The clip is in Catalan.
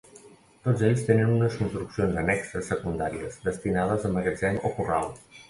Tots ells tenen unes construccions annexes secundàries, destinades a magatzem o corral.